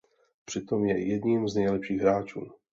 Přitom je jedním z nejlepších hráčů.